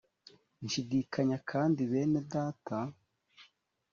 nshidikanya kandi bene data